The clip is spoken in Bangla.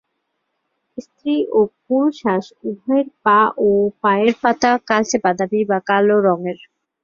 স্ত্রী ও পুরুষ হাঁস উভয়ের পা ও পায়ের পাতা কালচে-বাদামি বা কালো রঙের।